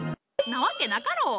なわけなかろう。